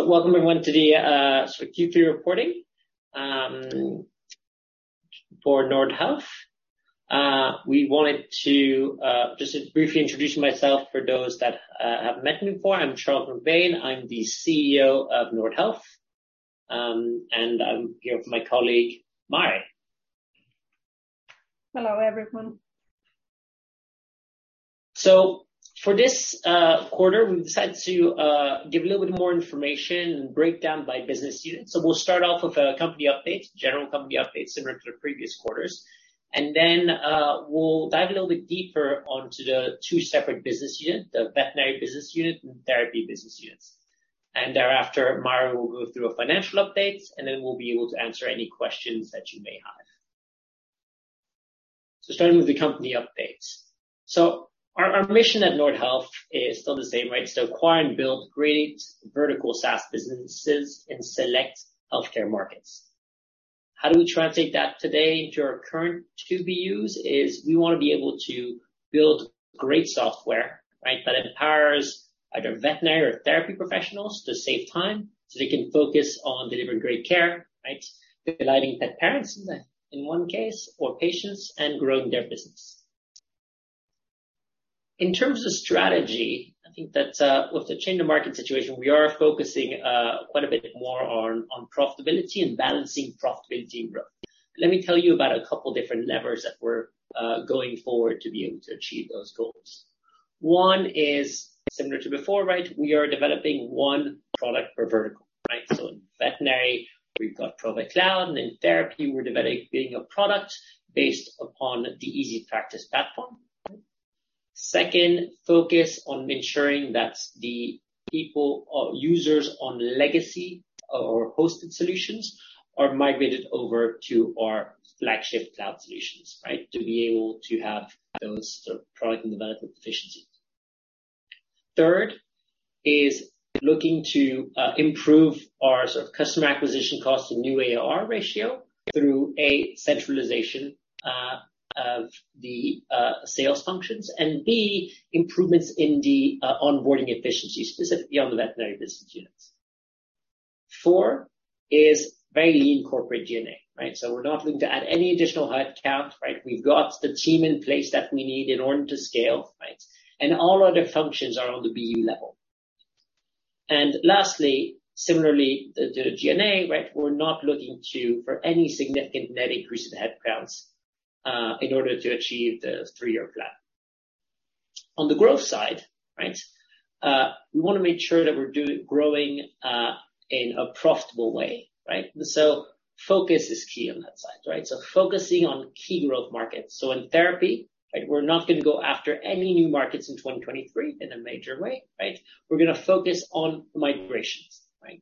Welcome everyone to the sort of Q3 reporting for Nordhealth. We wanted to just briefly introduce myself for those that haven't met me before. I'm Charles MacBain. I'm the CEO of Nordhealth, and I'm here with my colleague, Mari. Hello, everyone. For this quarter, we've decided to give a little bit more information and break down by business unit. We'll start off with a company update, general company update similar to the previous quarters, and then we'll dive a little bit deeper onto the two separate business unit, the veterinary business unit and therapy business units. Thereafter, Mari will go through our financial updates, and then we'll be able to answer any questions that you may have. Starting with the company updates. Our mission at Nordhealth is still the same, right? It's to acquire and build great vertical SaaS businesses in select healthcare markets. How do we translate that today to our current to-be use is we wanna be able to build great software, right? That empowers either veterinary or therapy professionals to save time so they can focus on delivering great care, right? Delighting pet parents in one case, or patients and growing their business. In terms of strategy, I think that with the change in market situation, we are focusing quite a bit more on profitability and balancing profitability and growth. Let me tell you about a couple different levers that we're going forward to be able to achieve those goals. One is similar to before, right? We are developing one product per vertical, right? In veterinary, we've got Provet Cloud, and in therapy, we're developing a product based upon the EasyPractice platform. Second, focus on ensuring that the people or users on legacy or hosted solutions are migrated over to our flagship cloud solutions, right? To be able to have those product and development efficiencies. Third is looking to improve our sort of customer acquisition cost and new ARR ratio through, A, centralization of the sales functions, and B, improvements in the onboarding efficiency, specifically on the veterinary business units. Four is very lean corporate G&A, right? We're not looking to add any additional headcount, right? We've got the team in place that we need in order to scale, right? All other functions are on the BU level. Lastly, similarly, the G&A, right, we're not looking for any significant net increase in headcounts in order to achieve the three-year plan. On the growth side, right, we wanna make sure that we're growing, in a profitable way, right? Focus is key on that side, right? Focusing on key growth markets. In therapy, right, we're not gonna go after any new markets in 2023 in a major way, right? We're gonna focus on migrations, right?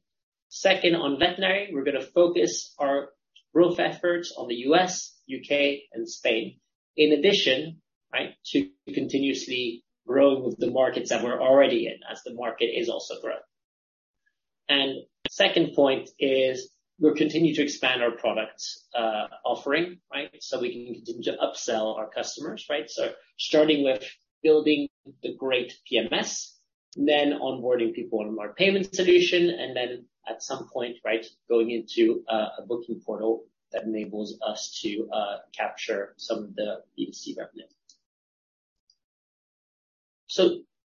Second, on veterinary, we're gonna focus our growth efforts on the U.S., U.K., and Spain. In addition, right, to continuously grow with the markets that we're already in as the market is also growing. Second point is we'll continue to expand our product, offering, right? We can continue to upsell our customers, right? Starting with building the great PMS, then onboarding people on our payment solution, and then at some point, right, going into a booking portal that enables us to capture some of the B2C revenue.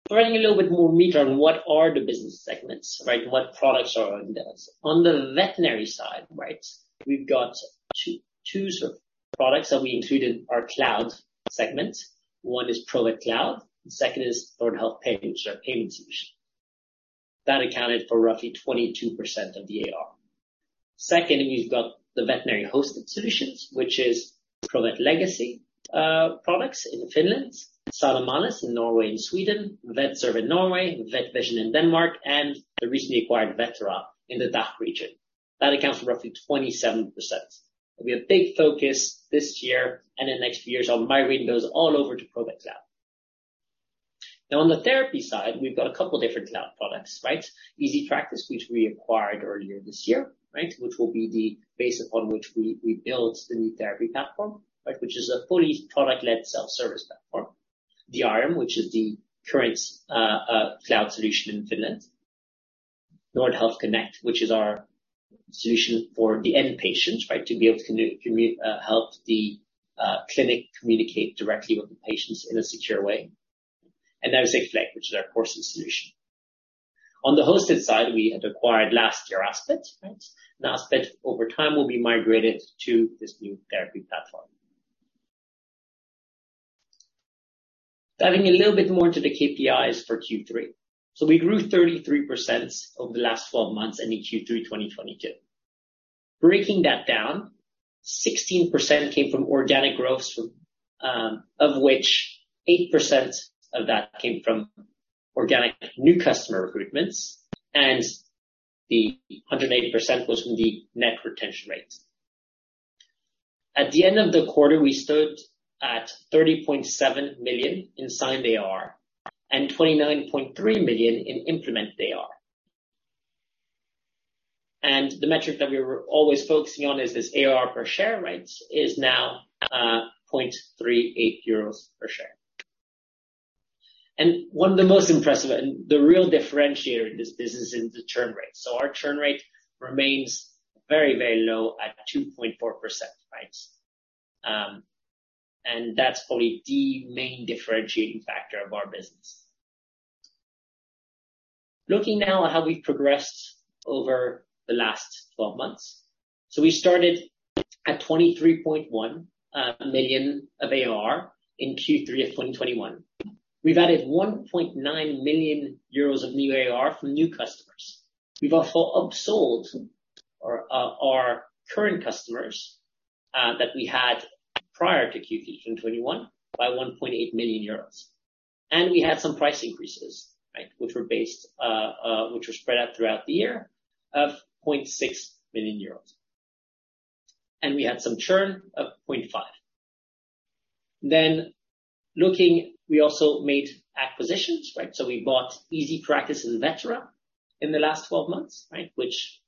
Providing a little bit more meat on what are the business segments, right? What products are on those. On the veterinary side, right, we've got two sort of products that we include in our cloud segment. One is Provet Cloud, the second is Provet Pay, which is our payment solution. That accounted for roughly 22% of the ARR. Second, you've got the veterinary hosted solutions, which is Provet legacy products in Finland, Sanimalis in Norway and Sweden, Vetserve in Norway, Vetvision in Denmark, and the recently acquired Vetera in the DACH region. That accounts for roughly 27%. We have big focus this year and in the next few years on migrating those all over to Provet Cloud. On the therapy side, we've got a couple different cloud products, right? EasyPractice, which we acquired earlier this year, right? Which will be the base upon which we built the new therapy platform, right? Which is a fully product-led self-service platform. Diarium, which is the current cloud solution in Finland. Nordhealth Connect, which is our solution for the end patients, right? To be able to communicate, help the clinic communicate directly with the patients in a secure way. There's AG Flex, which is our courses solution. On the hosted side, we had acquired last year Aspit, right? Aspit over time will be migrated to this new therapy platform. Diving a little bit more into the KPIs for Q3. We grew 33% over the last 12 months, ending Q3 2022. Breaking that down, 16% came from organic growth from, of which 8% of that came from organic new customer recruitments, and the 180% was from the net retention rates. At the end of the quarter, we stood at 30.7 million in signed ARR and 29.3 million in implement ARR. The metric that we were always focusing on is this ARR per share rates is now 0.38 euros per share. One of the most impressive and the real differentiator in this business is the churn rate. Our churn rate remains very, very low at 2.4%, right? That's probably the main differentiating factor of our business. Looking now at how we've progressed over the last 12 months. We started at 23.1 million of ARR in Q3 of 2021. We've added 1.9 million euros of new ARR from new customers. We've also upsold our current customers that we had prior to Q3 in 2021 by 1.8 million euros. We had some price increases, right? Which were based, which were spread out throughout the year of 0.6 million euros. We had some churn of 0.5 million. Looking, we also made acquisitions, right? We bought EasyPractice and Vetera in the last 12 months, right? Which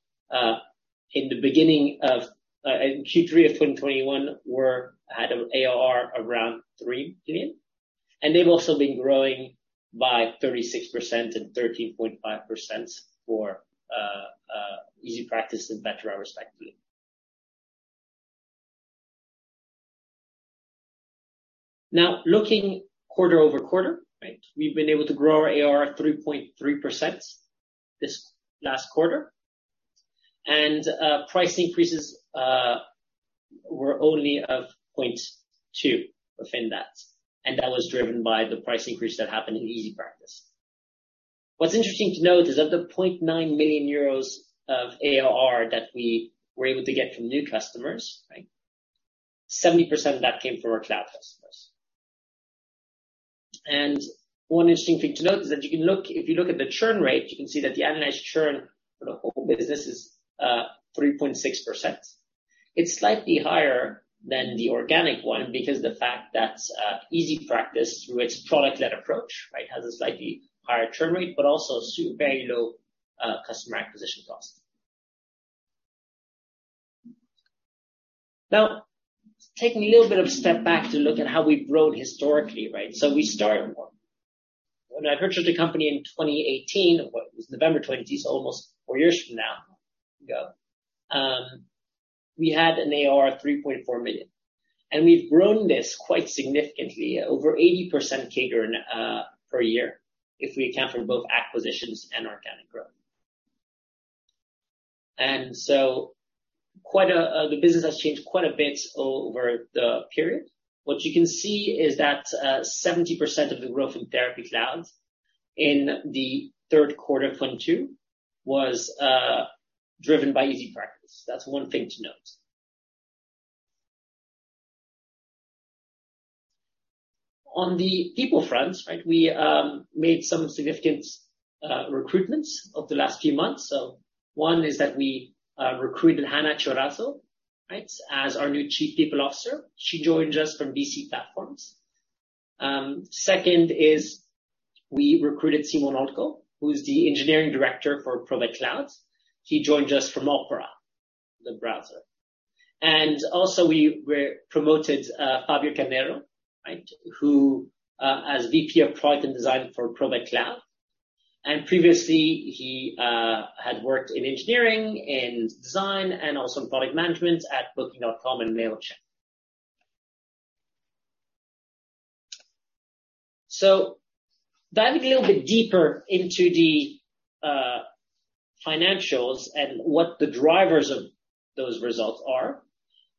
in the beginning of Q3 of 2021 were at an ARR around 3 million. They've also been growing by 36% and 13.5% for EasyPractice and Vetera respectively. Looking quarter-over-quarter, right? We've been able to grow our ARR at 3.3% this last quarter. Price increases were only of 0.2 within that, and that was driven by the price increase that happened in EasyPractice. What's interesting to note is of the 0.9 million euros of ARR that we were able to get from new customers, right? 70% of that came from our cloud customers. One interesting thing to note is that if you look at the churn rate, you can see that the annualized churn for the whole business is 3.6%. It's slightly higher than the organic one because the fact that EasyPractice, through its product-led approach, right, has a slightly higher churn rate, but also very low customer acquisition cost. Now, taking a little bit of a step back to look at how we've grown historically, right? We started when I purchased the company in 2018, what was November 20, almost four years from now, ago, we had an ARR of 3.4 million. We've grown this quite significantly, over 80% CAGR, per year if we account for both acquisitions and organic growth. Quite a, the business has changed quite a bit over the period. What you can see is that, 70% of the growth in Therapy Cloud in the third quarter of 2022 was, driven by EasyPractice. That's one thing to note. On the people front, right, we made some significant recruitments over the last few months. One is that we recruited Hanna Miettinen, right, as our new Chief People Officer. She joined us from BC Platforms. Second is we recruited Szymon Olko, who is the Engineering Director for Provet Cloud. He joined us from Opera, the browser. Also we were promoted Fabio Carneiro, right, who as VP of Product and Design for Provet Cloud. Previously, he had worked in engineering, in design, and also in product management at Booking.com and Mailchimp. Diving a little bit deeper into the financials and what the drivers of those results are,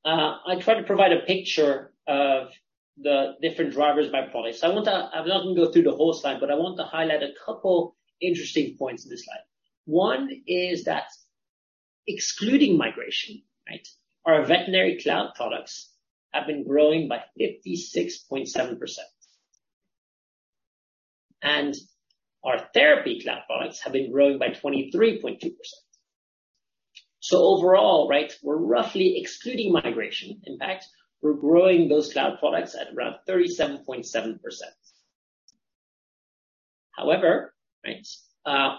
I try to provide a picture of the different drivers by product. I'm not gonna go through the whole slide, but I want to highlight a couple interesting points in this slide. One is that excluding migration, right, our veterinary cloud products have been growing by 56.7%. Our Therapy Cloud products have been growing by 23.2%. Overall, right, we're roughly excluding migration impact. We're growing those cloud products at around 37.7%. Right,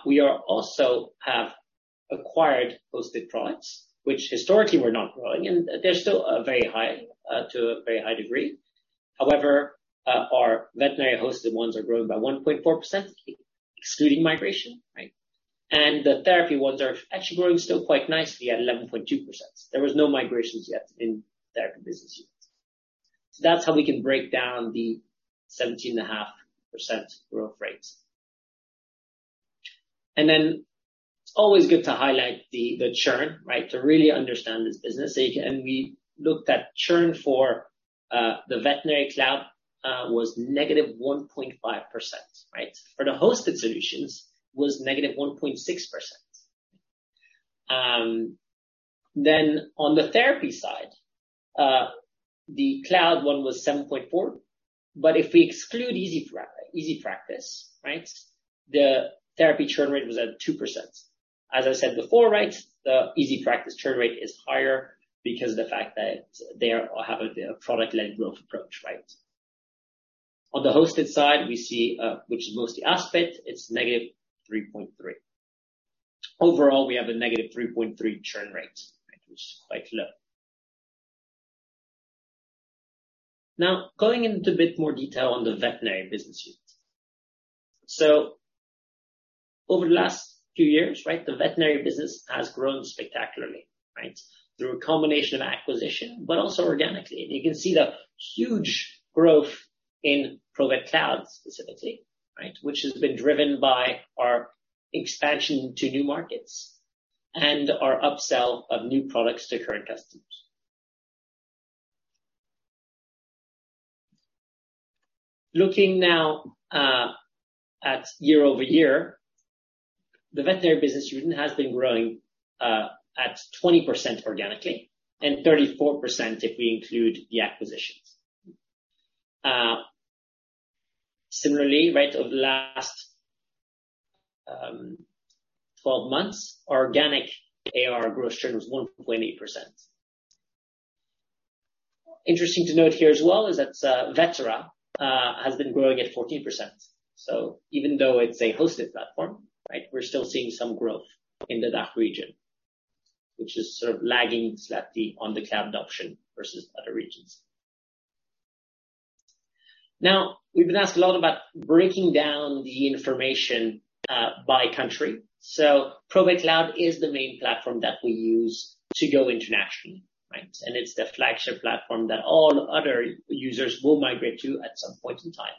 we are also have acquired hosted products, which historically were not growing, and they're still, very high, to a very high degree. Our veterinary hosted ones are growing by 1.4%, excluding migration, right? The therapy ones are actually growing still quite nicely at 11.2%. There was no migrations yet in therapy business units. That's how we can break down the 17.5% growth rates. It's always good to highlight the churn, right, to really understand this business. We looked at churn for the veterinary cloud, was -1.5%, right? For the hosted solutions was -1.6%. On the therapy side, the cloud one was 7.4%, but if we exclude EasyPractice, right, the therapy churn rate was at 2%. As I said before, right, the EasyPractice churn rate is higher because of the fact that they have a product-led growth approach, right? On the hosted side, we see, which is mostly Aspit, it's -3.3%. Overall, we have a -3.3% churn rate, right? Which is quite low. Going into a bit more detail on the veterinary business unit. Over the last few years, right? The veterinary business has grown spectacularly, right? Through a combination of acquisition, but also organically. You can see the huge growth in Provet Cloud specifically, right? Which has been driven by our expansion to new markets and our upsell of new products to current customers. Looking now, at year-over-year, the veterinary business unit has been growing at 20% organically and 34% if we include the acquisitions. Similarly, right of the last 12 months, our organic ARR gross churn was 1.8%. Interesting to note here as well is that Vetera has been growing at 14%, so even though it's a hosted platform, right, we're still seeing some growth in the DACH region, which is sort of lagging slightly on the cloud adoption versus other regions. Now, we've been asked a lot about breaking down the information by country. Provet Cloud is the main platform that we use to go internationally, right? It's the flagship platform that all other users will migrate to at some point in time.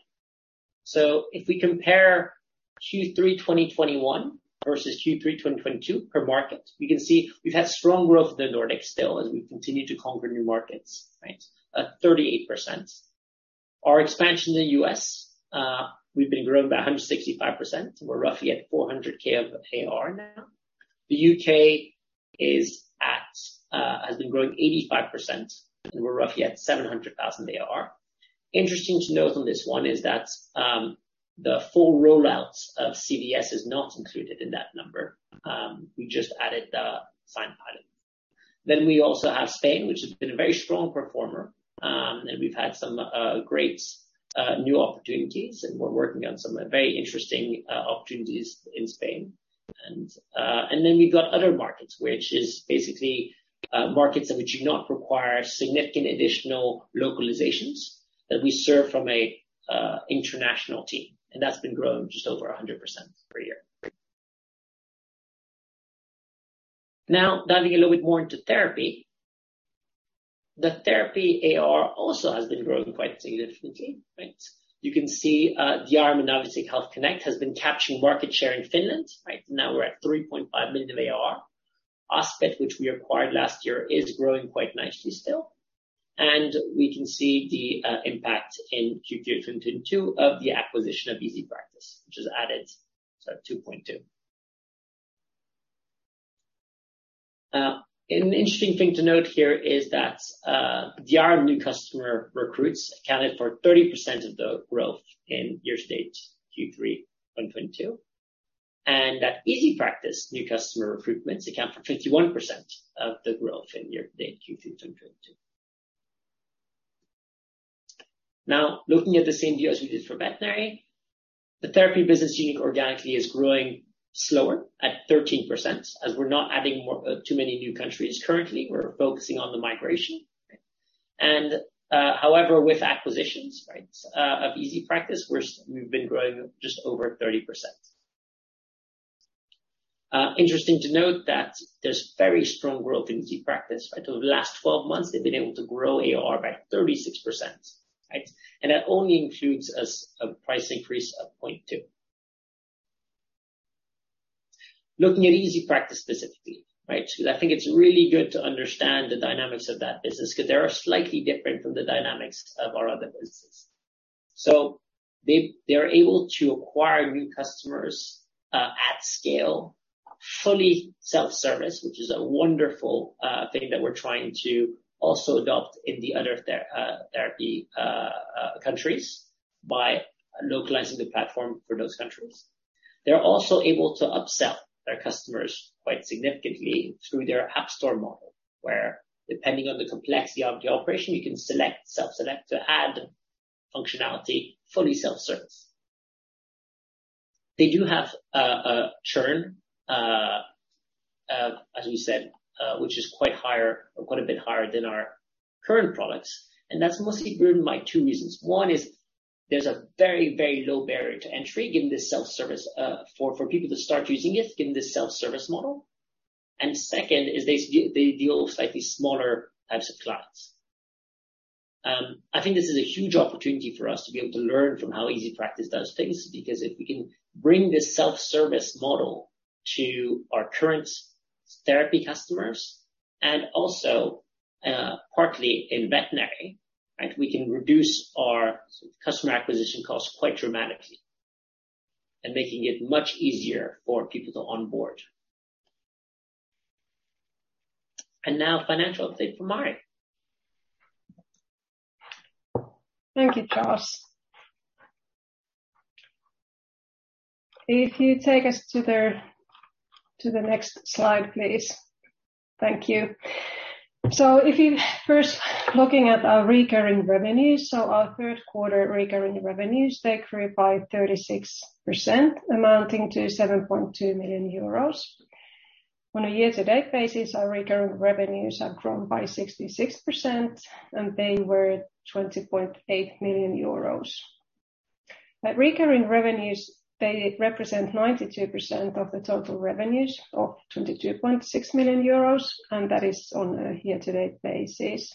If we compare Q3 2021 versus Q3 2022 per market, we can see we've had strong growth in the Nordics still as we continue to conquer new markets, right? At 38%. Our expansion in the U.S., we've been growing by 165%. We're roughly at 400,000 of ARR now. The U.K. is at, has been growing 85%, and we're roughly at 700,000 ARR. Interesting to note on this one is that the full rollouts of CVS is not included in that number. We just added the sign item. We also have Spain, which has been a very strong performer. We've had some great new opportunities, and we're working on some very interesting opportunities in Spain. We've got other markets, which is basically markets that do not require significant additional localizations that we serve from an international team. That's been growing just over 100% per year. Diving a little bit more into therapy. The therapy ARR also has been growing quite significantly, right? You can see DR, Navisec, and Nordhealth Connect has been capturing market share in Finland, right? We're at 3.5 million of ARR. Aspit, which we acquired last year, is growing quite nicely still. We can see the impact in Q3 2022 of the acquisition of EasyPractice, which has added EUR 2.2 million. An interesting thing to note here is that DR new customer recruits accounted for 30% of the growth in year-to-date Q3 2022. That EasyPractice new customer recruitments account for 51% of the growth in year-to-date Q3 2022. Looking at the same view as we did for veterinary, the therapy business unit organically is growing slower at 13%, as we're not adding too many new countries currently. We're focusing on the migration. However, with acquisitions, right, of EasyPractice, we've been growing just over 30%. Interesting to note that there's very strong growth in EasyPractice. Over the last 12 months, they've been able to grow ARR by 36%, right? That only includes a price increase of 0.2. Looking at EasyPractice specifically, right? I think it's really good to understand the dynamics of that business 'cause they are slightly different from the dynamics of our other businesses. They're able to acquire new customers at scale, fully self-service, which is a wonderful thing that we're trying to also adopt in the other therapy countries by localizing the platform for those countries. They're also able to upsell their customers quite significantly through their app store model, where depending on the complexity of the operation, you can self-select to add functionality, fully self-service. They do have a churn, as we said, which is quite higher or quite a bit higher than our current products. That's mostly driven by two reasons. One is there's a very, very low barrier to entry, given the self-service, for people to start using it, given the self-service model. Second is they deal with slightly smaller types of clients. I think this is a huge opportunity for us to be able to learn from how EasyPractice does things, because if we can bring this self-service model to our current therapy customers and also, partly in veterinary, right, we can reduce our customer acquisition costs quite dramatically and making it much easier for people to onboard. Now financial update from Mari. Thank you, Charles. If you take us to the next slide, please. Thank you. If you first looking at our recurring revenues, our third quarter recurring revenues, they grew by 36% amounting to 7.2 million euros. On a year-to-date basis, our recurring revenues have grown by 66%, they were 20.8 million euros. Recurring revenues, they represent 92% of the total revenues or 22.6 million euros, that is on a year-to-date basis.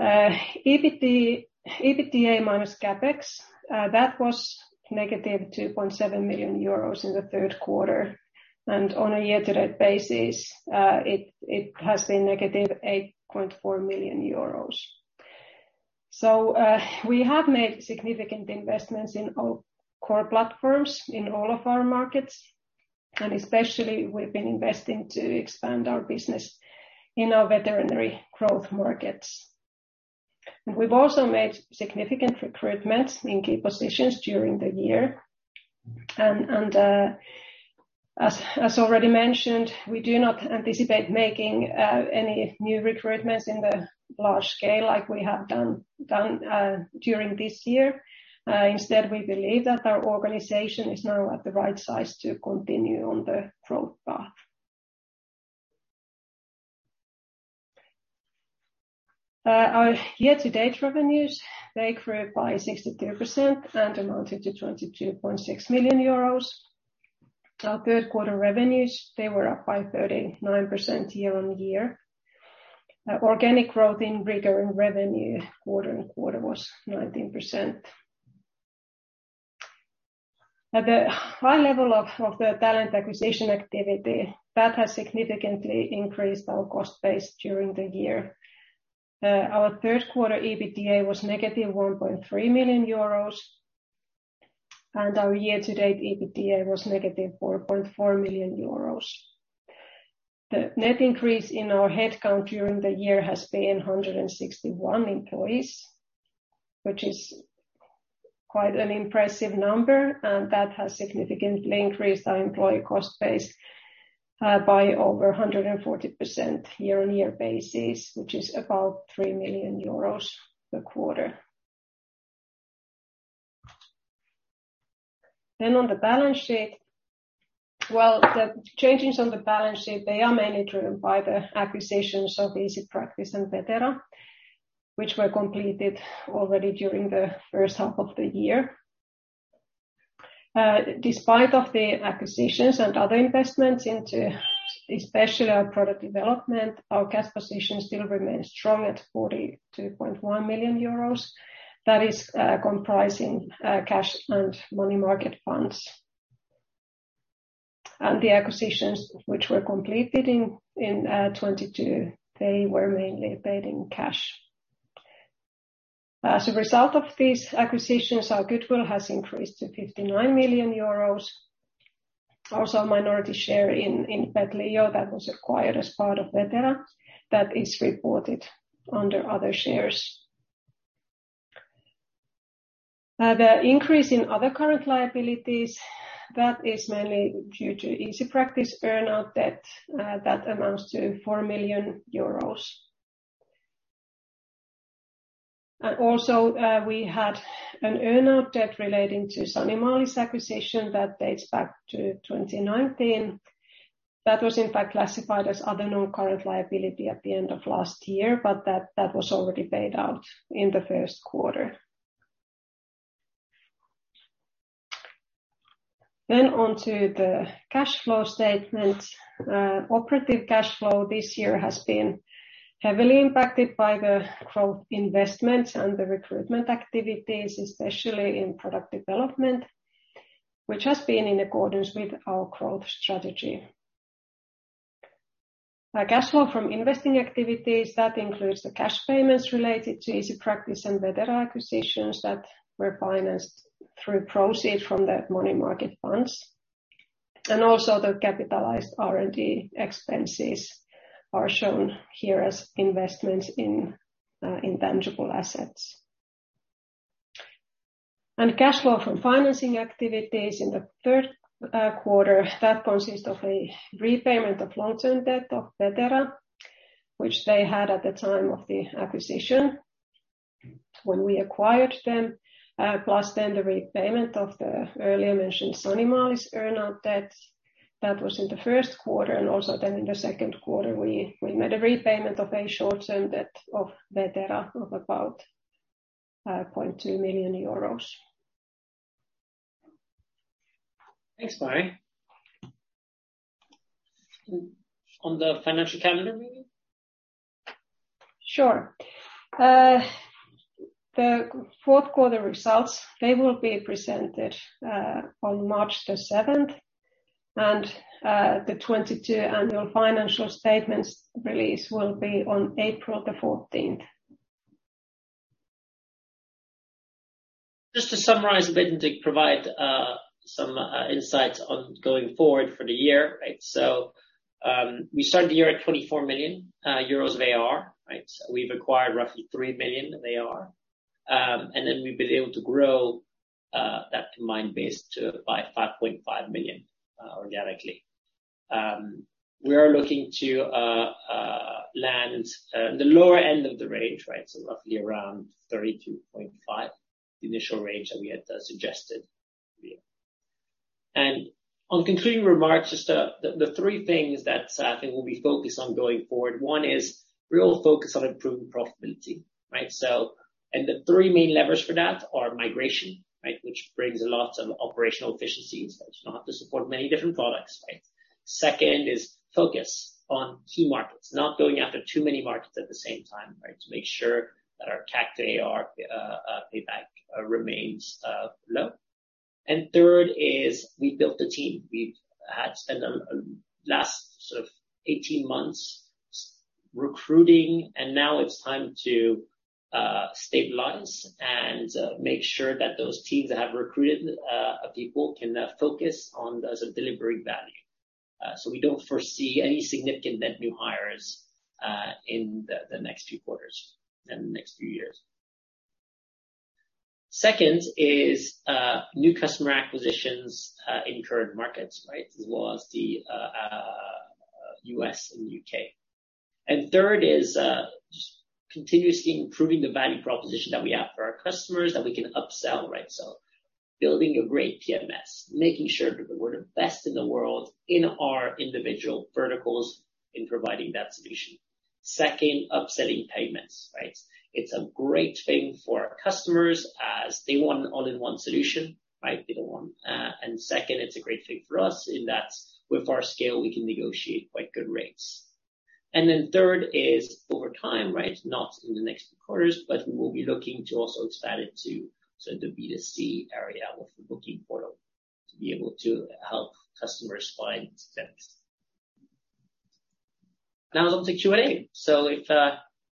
EBITDA minus CapEx, that was negative 2.7 million euros in the third quarter. On a year-to-date basis, it has been negative 8.4 million euros. We have made significant investments in our core platforms in all of our markets, especially we've been investing to expand our business in our veterinary growth markets. We've also made significant recruitments in key positions during the year. As already mentioned, we do not anticipate making any new recruitments in the large scale like we have done during this year. Instead, we believe that our organization is now at the right size to continue on the growth path. Our year-to-date revenues, they grew by 62% and amounted to 22.6 million euros. Our third quarter revenues, they were up by 39% year-on-year. Organic growth in recurring revenue quarter-on-quarter was 19%. At the high level of the talent acquisition activity, that has significantly increased our cost base during the year. Our third quarter EBITDA was negative 1.3 million euros, and our year-to-date EBITDA was negative 4.4 million euros. The net increase in our headcount during the year has been 161 employees, which is quite an impressive number, and that has significantly increased our employee cost base, by over 140% year-on-year basis, which is about 3 million euros a quarter. On the balance sheet. Well, the changes on the balance sheet, they are mainly driven by the acquisitions of EasyPractice and Vetera, which were completed already during the first half of the year. Despite of the acquisitions and other investments into especially our product development, our cash position still remains strong at 42.1 million euros. That is, comprising, cash and money market funds. The acquisitions which were completed in 2022, they were mainly paid in cash. As a result of these acquisitions, our goodwill has increased to 59 million euros. Minority share in PetLeo that was acquired as part of Vetera, that is reported under other shares. The increase in other current liabilities, that is mainly due to EasyPractice earnout debt, that amounts to 4 million euros. We had an earnout debt relating to Sanimalis acquisition that dates back to 2019. That was in fact classified as other non-current liability at the end of last year, but that was already paid out in the first quarter. On to the cash flow statement. Operative cash flow this year has been heavily impacted by the growth investments and the recruitment activities, especially in product development, which has been in accordance with our growth strategy. Our cash flow from investing activities, that includes the cash payments related to EasyPractice and Vetera acquisitions that were financed through proceed from the money market funds. The capitalized R&D expenses are shown here as investments in intangible assets. Cash flow from financing activities in the third quarter, that consists of a repayment of long-term debt of Vetera, which they had at the time of the acquisition when we acquired them, plus the repayment of the earlier mentioned Sanimalis earnout debt. That was in the first quarter. In the second quarter, we made a repayment of a short-term debt of Vetera of about EUR 5.2 million. Thanks, Mari. On the financial calendar meeting? Sure. The fourth quarter results, they will be presented, on March 7th and the 2022 annual financial statements release will be on April 14th. Just to summarize a bit and to provide some insights on going forward for the year, right? We started the year at 24 million euros of ARR, right? We've acquired roughly 3 million of ARR, and then we've been able to grow that combined base by 5.5 million organically. We are looking to land the lower end of the range, right? Roughly around 32.5, the initial range that we had suggested. On concluding remarks, just the three things that I think we'll be focused on going forward. One is we're all focused on improving profitability, right? The three main levers for that are migration, right? Which brings a lot of operational efficiencies that you don't have to support many different products, right? Second is focus on key markets, not going after too many markets at the same time, right? To make sure that our CAC to AR payback remains low. Third is we built a team. We've had spent the last sort of 18 months recruiting, now it's time to stabilize and make sure that those teams that have recruited people can focus on sort of delivering value. We don't foresee any significant net new hires in the next few quarters and the next few years. Second is new customer acquisitions in current markets, right? As well as the U.S. and U.K. Third is just continuously improving the value proposition that we have for our customers that we can upsell, right? Building a great PMS, making sure that we're the best in the world in our individual verticals in providing that solution. Second, upselling payments, right? It's a great thing for our customers as they want an all-in-one solution, right? They don't want. And second, it's a great thing for us in that with our scale, we can negotiate quite good rates. Third is over time, right? Not in the next quarters, but we will be looking to also expand it to sort of the B2C area with the booking portal to be able to help customers find steps. Now it's on to Q&A. If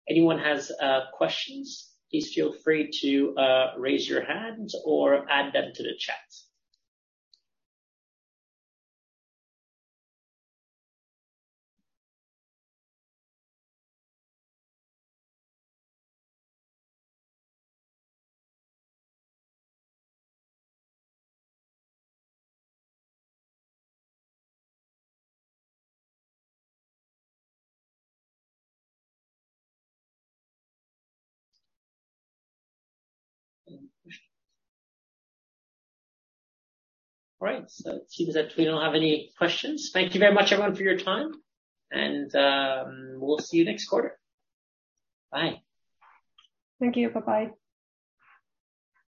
anyone has questions, please feel free to raise your hand or add them to the chat. All right. It seems that we don't have any questions. Thank you very much everyone for your time and, we'll see you next quarter. Bye. Thank you. Bye-bye.